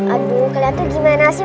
aduh kalian tuh gimana sih